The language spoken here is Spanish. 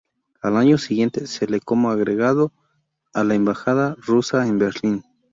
Al año siguiente se le como agregado a la embajada rusa en Berlín.